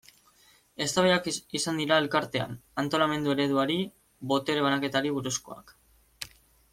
Eztabaidak izan dira Elkartean, antolamendu ereduari, botere banaketari buruzkoak.